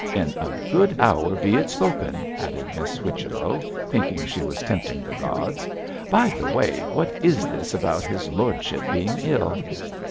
In a good hour be it spoken,' added Miss Whichello, thinking she was tempting the gods. 'By the way, what is this about his lordship being ill?'